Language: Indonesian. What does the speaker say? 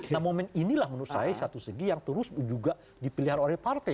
nah momen inilah menurut saya satu segi yang terus juga dipilih oleh partai